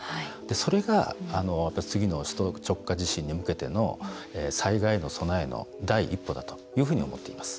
それが次の首都直下地震に向けての災害への備えの第一歩だというふうに思っています。